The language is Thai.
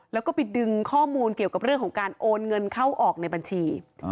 แล้วก็ไปดึงข้อมูลเกี่ยวกับเรื่องของการโอนเงินเข้าออกในบัญชี